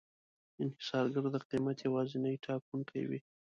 انحصارګر د قیمت یوازینی ټاکونکی وي.